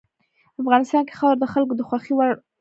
افغانستان کې خاوره د خلکو د خوښې وړ ځای دی.